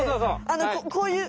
あこういう？